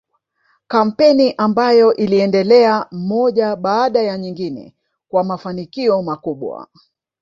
Kampeni ambayo iliendelea moja baada ya nyingine kwa mafanikio makubwa